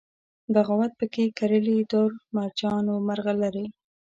بغاوت پکښې کرلي دُر، مرجان و مرغلرې